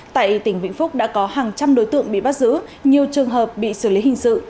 tại tỉnh vĩnh phúc đã có hàng trăm đối tượng bị bắt giữ nhiều trường hợp bị xử lý hình sự